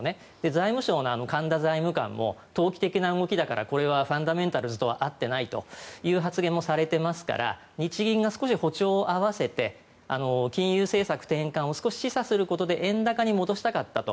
財務省の神田財務官も投機的な動きだからこれはファンダメンタルズとは合っていないという発言もされていますから日銀が少し歩調を合わせて金融政策転換を少し示唆することで円高に戻したかったと。